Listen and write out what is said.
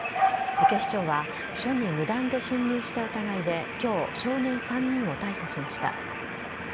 警視庁は署に無断で侵入した疑いで今日、少年３人を逮捕しました。